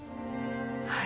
はい。